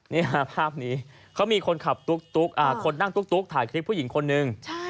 ภาพนี้เขามีคนขับตุ๊กคนนั่งตุ๊กถ่ายคลิปผู้หญิงคนนึง